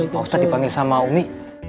pak ustadz dipanggil sama umi